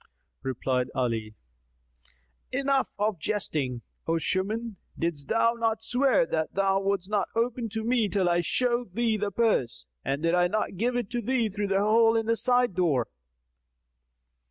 Replied Ali, "Enough of jesting, O Shuman: didst thou not swear that thou wouldest not open to me till I showed thee the purse, and did I not give it thee through the hole in the side door?